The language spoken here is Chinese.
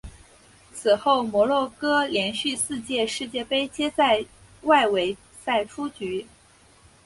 此后摩洛哥连续四届世界杯皆在外围赛出局。